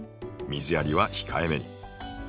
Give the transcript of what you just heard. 水やりは控えめに。